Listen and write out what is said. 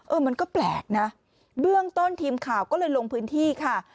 มันก็แปลกนะเบื้องต้นทีมข่าวก็เลยลงพื้นที่ค่ะ